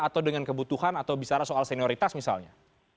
atau dengan kebutuhan atau bicara soal senioritas misalnya